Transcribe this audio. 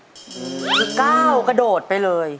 สิบเก้ากระโดดไปเลย